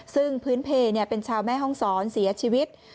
ซึ่งพื้นเพลเป็นชาวแม่ห้องศรเสียชีวิต